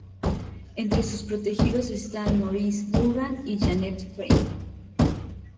Entre sus protegidos están Maurice Duggan y Janet Frame.